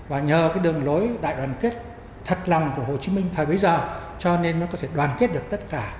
và nhờ cái đường lối đại đoàn kết thật lòng của hồ chí minh thời bấy giờ cho nên nó có thể đoàn kết được tất cả